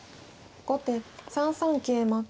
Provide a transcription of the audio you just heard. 後手３三桂馬。